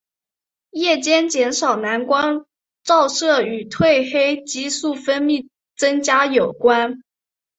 夜间减少蓝光照射与褪黑激素分泌增加有关。